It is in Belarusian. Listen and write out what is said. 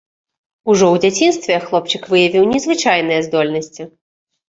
Ужо ў дзяцінстве хлопчык выявіў незвычайныя здольнасці.